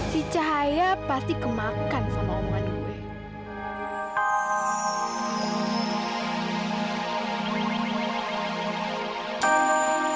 si cahaya pasti kemakan sama orang lain